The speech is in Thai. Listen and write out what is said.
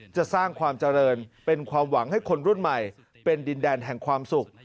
จะสร้างความเจริญเป็นความหวังให้คนรุ่นใหม่เป็นดินแดนแห่งความสุข